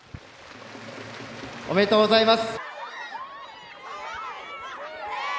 おめでとうございます。